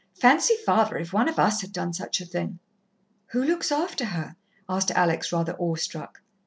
Fancy father, if one of us had done such a thing!" "Who looks after her?" asked Alex, rather awe struck.